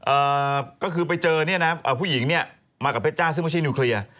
เอ่อก็คือไปเจอเนี่ยนะอ่าผู้หญิงเนี่ยมากับเพชรจ้าซึ่งไม่ใช่นิวเคลียร์